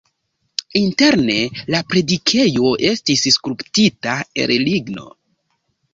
Interne la predikejo estis skulptita el ligno.